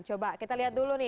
coba kita lihat dulu nih